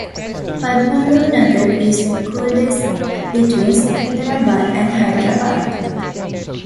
Padmarao Nagar is a cul-de-sac between Secunderabad and Hyderabad.